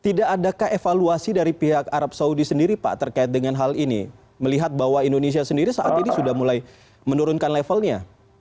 tidak adakah evaluasi dari pihak arab saudi sendiri pak terkait dengan hal ini melihat bahwa indonesia sendiri saat ini sudah mulai menurunkan levelnya